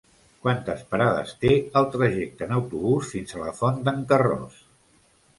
Quantes parades té el trajecte en autobús fins a la Font d'en Carròs?